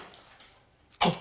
あっ！